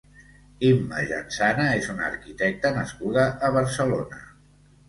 Imma Jansana és una arquitecta nascuda a Barcelona.